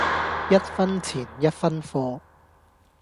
一分錢一分貨